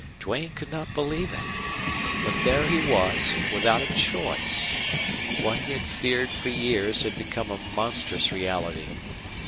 Duane could not believe it. But there he was, without a choice. What he had feared for years had become a monstrous reality.